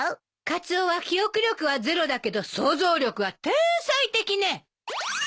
カツオは記憶力はゼロだけど想像力は天才的ね。